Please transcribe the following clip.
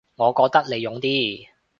我覺得你勇啲